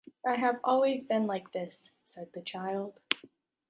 I have always been like this, said the child.